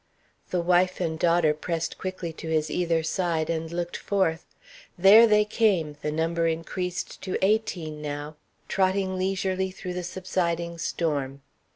The wife and daughter pressed quickly to his either side and looked forth. There they came, the number increased to eighteen now, trotting leisurely through the subsiding storm.